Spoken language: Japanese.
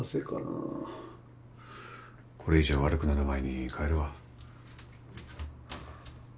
これ以上悪くなる前に帰るわ